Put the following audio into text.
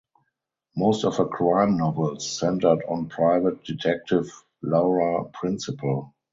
Most of her crime novels centred on private detective Laura Principal.